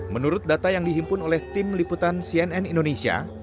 menurut data yang dihimpun oleh tim liputan cnn indonesia